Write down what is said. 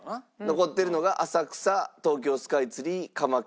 残ってるのが浅草東京スカイツリー鎌倉